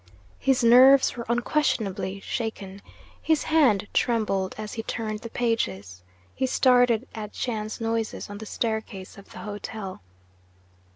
His nerves were unquestionably shaken; his hand trembled as he turned the pages, he started at chance noises on the staircase of the hotel.